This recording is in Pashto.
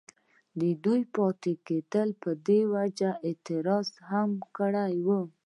ددوي پۀ پاتې کيدو پۀ دې وجه اعتراض هم کړی وو،